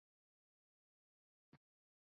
আপনি কে একদিনের ছুটি নিতে পারবেন?